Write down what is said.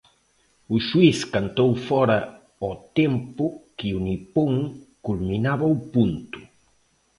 O xuíz cantou fóra ao tempo que o nipón culminaba o punto.